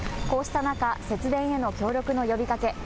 こうした中、節電への協力の呼びかけ